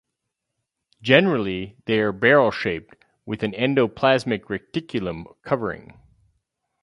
Generally, they are barrel shaped, with an endoplasmic reticulum covering.